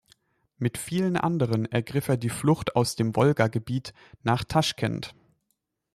Mit vielen anderen ergriff er die Flucht aus dem Wolgagebiet nach Taschkent.